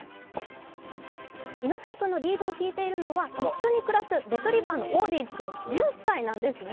猪之助君のリードをひいているのはレトリバーのオーディン君１０歳なんですね。